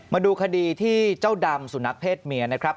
มาดูคดีที่เจ้าดำสุนัขเพศเมียนะครับ